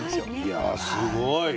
いやすごい。